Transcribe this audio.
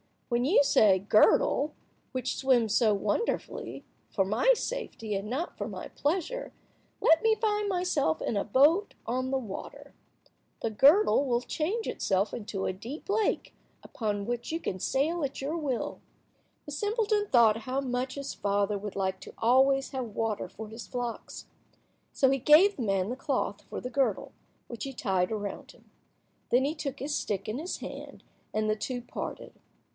When you say, 'Girdle, which swims so wonderfully, for my safety and not for my pleasure, let me find myself in a boat on the water,' the girdle will change itself into a deep lake, upon which you can sail at your will." The simpleton thought how much his father would like to always have water for his flocks. So he gave the man the cloth for the girdle, which he tied around him. Then he took his stick in his hand, and the two parted.